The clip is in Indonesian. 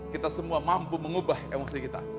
kita semua mampu mengubah emosi kita